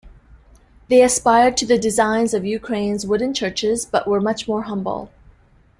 They aspired to the designs of Ukraine's wooden churches, but were much more humble.